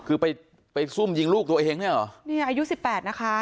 คือไปไปซุ่มยิงลูกตัวเองเนี่ยเหรอเนี่ยอายุสิบแปดนะคะ